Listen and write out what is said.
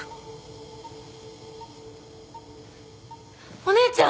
お姉ちゃん！？